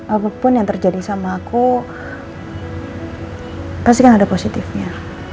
apapun yang terjadi sama aku pasti kan ada positifnya